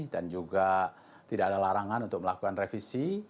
dan juga tidak ada larangan untuk melakukan revisi